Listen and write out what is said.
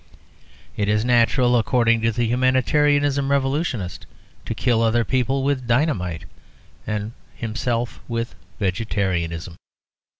It is natural, according to the humanitarian revolutionist, to kill other people with dynamite and himself with vegetarianism.